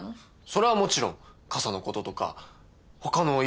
それはもちろん傘のこととか他の色々に。